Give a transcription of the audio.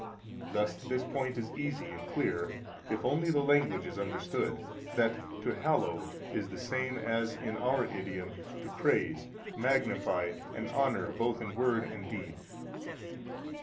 46 Thus this point is easy and clear if only the language is understood, that to hallow is the same as in our idiom to praise, magnify, and honor both in word and deed.